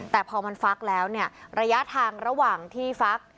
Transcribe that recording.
แต่พอมันฟักแล้วเนี่ยระยะทางระหว่างที่ฟัก